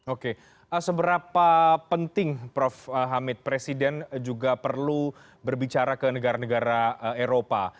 oke seberapa penting prof hamid presiden juga perlu berbicara ke negara negara eropa